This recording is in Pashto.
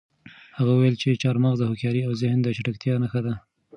هغه وویل چې چهارمغز د هوښیارۍ او د ذهن د چټکتیا نښه ده.